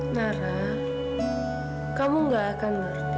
nara kamu nggak akan ngerti